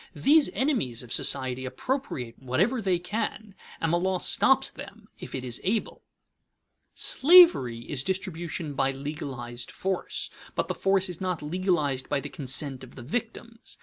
These enemies of society appropriate whatever they can, and the law stops them if it is able. [Sidenote: Chattel slavery] Slavery is distribution by legalized force, but the force is not legalized by the consent of the victims.